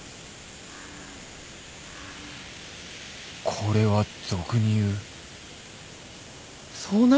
これは俗に言う遭難！？